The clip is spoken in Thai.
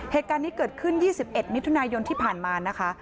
เหตุการณ์นี้เกิดขึ้น๒๑มิถุนายนที่ผ่านมานะคะ